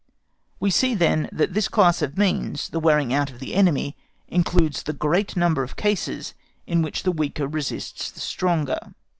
We see then that this class of means, the wearing out of the enemy, includes the great number of cases in which the weaker resists the stronger.